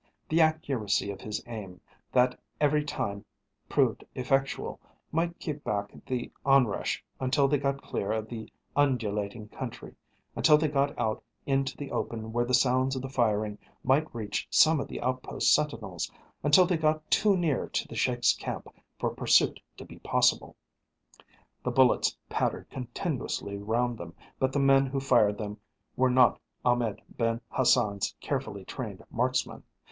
The accuracy of his aim, that every time proved effectual, might keep back the onrush until they got clear of the undulating country, until they got out into the open where the sounds of the firing might reach some of the outpost sentinels, until they got too near to the Sheik's camp for pursuit to be possible. The bullets pattered continuously round them, but the men who fired them were not Ahmed Ben Hassan's carefully trained marksmen.